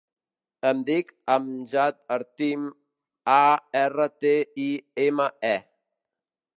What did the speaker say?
Em dic Amjad Artime: a, erra, te, i, ema, e.